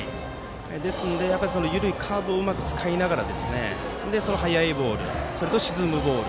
ですので緩いカーブをうまく使いながら速いボール、そして沈むボール